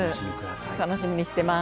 楽しみにしてます。